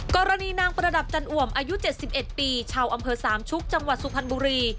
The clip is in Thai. กรณีนางประดับจันอ่วมอายุ๗๑ปีชาวอำเภอสามชุกจังหวัดสุพรรณบุรี